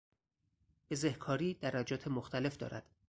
بزهکاری درجات مختلف دارد.